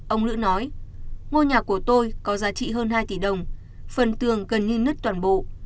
ông lữ nói ngôi nhà của tôi có giá trị hơn hai tỷ đồng phần tường gần như nứt toàn bộ